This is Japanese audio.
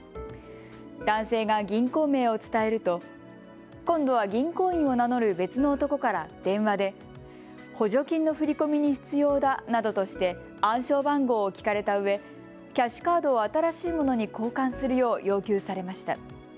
男性が銀行名を伝えると今度は銀行員を名乗る別の男から電話で、補助金の振り込みに必要だなどとして暗証番号を聞かれたうえキャッシュカードを新しいものに交換するよう要求されました。